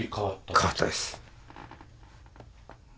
変わったです。